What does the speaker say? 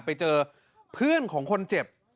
ไปเจอเพื่อนของคนเจ็บ